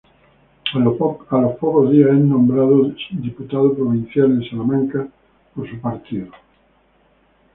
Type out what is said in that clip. A los pocos días, es nombrado diputado provincial en Salamanca por el Partido Popular.